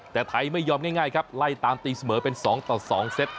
แต่ไทยไม่ยอมง่ายครับไล่ตามตีเสมอเป็น๒ต่อ๒เซต